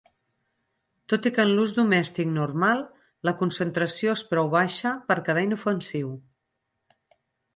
Tot i que en l'ús domèstic normal, la concentració és prou baixa per quedar inofensiu.